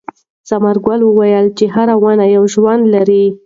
ثمر ګل وویل چې هره ونه یو ژوند لري.